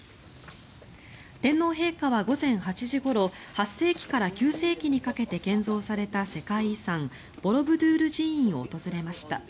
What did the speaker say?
天皇陛下は午前８時ごろ８世紀から９世紀にかけて建造された世界遺産ボロブドゥール寺院を訪れました。